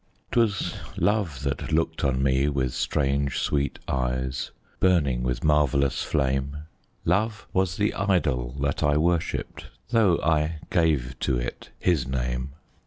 'Twas Love that looked on me with strange, sweet eyes Burning with marvellous flame; Love was the idol that I worshipped, though I gave to it his name.